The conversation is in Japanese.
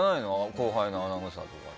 後輩のアナウンサーとかに。